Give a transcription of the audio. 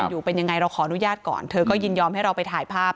ทั้งครูก็มีค่าแรงรวมกันเดือนละประมาณ๗๐๐๐กว่าบาท